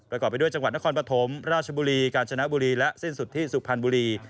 ไปด้วยจังหวัดนครปฐมราชบุรีกาญจนบุรีและสิ้นสุดที่สุพรรณบุรี